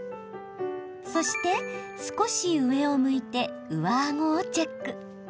そして、少し上を向いて上あごをチェック。